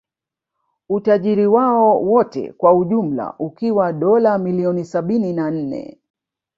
Utajiri wao wote kwa ujumla ukiwa dola bilioni sabini na nne